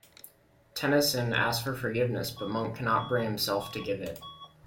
Tennyson asks for forgiveness, but Monk cannot bring himself to give it.